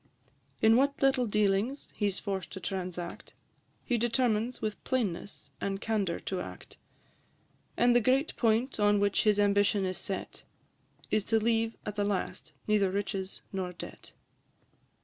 In what little dealings he 's forced to transact, He determines with plainness and candour to act; And the great point on which his ambition is set, Is to leave at the last neither riches nor debt.